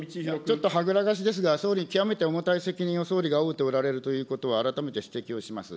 ちょっとはぐらかしですが、総理、極めて重たい責任を総理が負うておられるということは改めて指摘をします。